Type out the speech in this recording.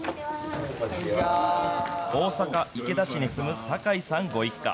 大阪・池田市に住む坂井さんご一家。